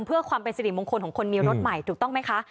เพื่อความเป็นสิริมงคลของคนมีรถใหม่ถูกต้องไหมคะ